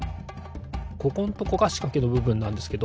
ここんとこがしかけのぶぶんなんですけど